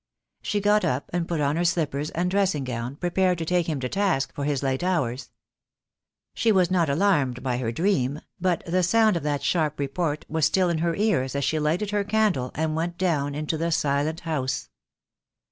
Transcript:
She got up and put on her slippers and dressing gown, prepared to take him to task for his late hours. She was not alarmed by her dream, but the sound of that sharp report was still in her ears as she lighted her candle and went down into the silent house.